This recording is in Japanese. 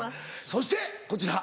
そしてこちら。